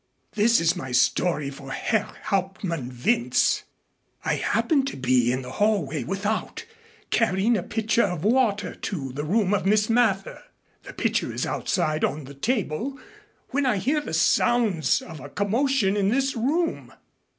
This is my story for Herr Hauptmann Wentz. I happen to be in the hallway without, carrying a pitcher of water to the room of Miss Mather the pitcher is outside on the table when I hear the sounds of a commotion in this room.